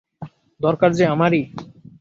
দরকার যে আমারই।